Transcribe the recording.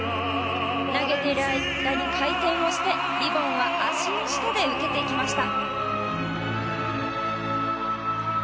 投げている間に回転をしてリボンは足の下で受けていきました。